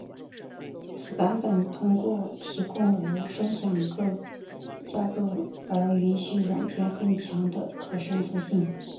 此版本通过提供无分享架构而允许软件更强的可伸缩性。